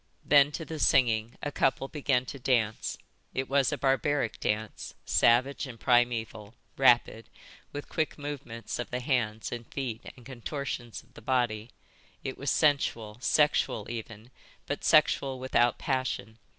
Then to the singing a couple began to dance. It was a barbaric dance, savage and primeval, rapid, with quick movements of the hands and feet and contortions of the body; it was sensual, sexual even, but sexual without passion.